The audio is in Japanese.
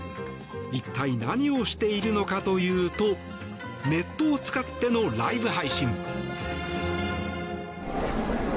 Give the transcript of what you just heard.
一体何をしているのかというとネットを使ってのライブ配信。